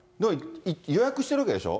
予約してるわけでしょ？